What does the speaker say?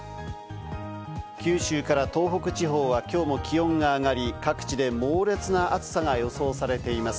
九州から東北地方はきょうも気温が上がり、各地で猛烈な暑さが予想されています。